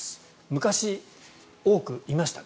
昔、多くいました。